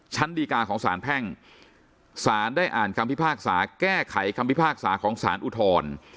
ชั้นดีการของสารแพ่งสารได้อ่านคำพิพากษาแก้ไขคำพิพากษาของสารอุทธร